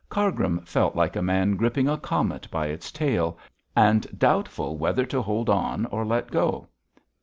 Cargrim felt like a man gripping a comet by its tail, and doubtful whether to hold on or let go.